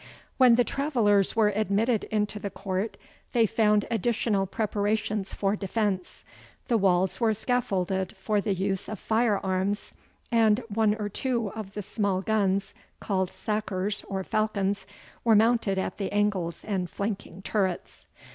When the travellers were admitted into the court, they found additional preparations for defence. The walls were scaffolded for the use of fire arms, and one or two of the small guns, called sackers, or falcons, were mounted at the angles and flanking turrets.